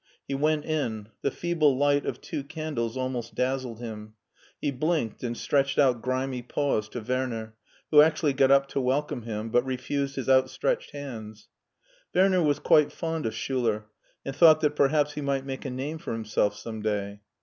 He went in. The feeble light of two candles almost dazzled him. He blinked, and stretched out grimy paws to Werner, who actually got up to welcome him, but refused his outstretched hands. Werner was quite fond of Schuler, and thought that perhaps he might make a name for himself some day.